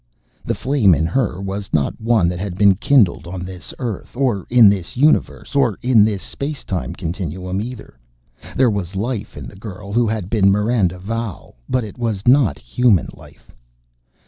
The flame in her was not one that had been kindled on this earth, or in this universe, or in this space time continuum, either. There was life in the girl who had been Miranda Valle but it was not human life!